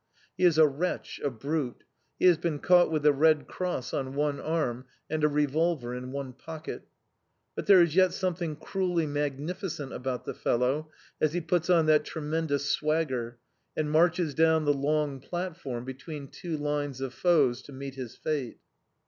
He is a wretch, a brute. He has been caught with the Red Cross on one arm, and a revolver in one pocket. But there is yet something cruelly magnificent about the fellow, as he puts on that tremendous swagger, and marches down the long platform between two lines of foes to meet his fate.